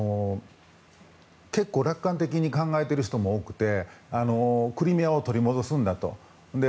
結構楽観的に考えている人も多くてクリミアを取り戻すんだと。